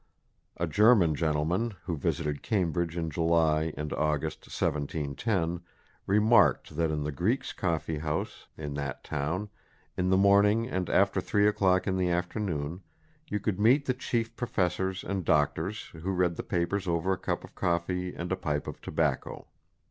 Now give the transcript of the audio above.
A German gentleman who visited Cambridge in July and August 1710 remarked that in the Greeks' coffee house in that town, in the morning and after 3 o'clock in the afternoon, you could meet the chief professors and doctors, who read the papers over a cup of coffee and a pipe of tobacco.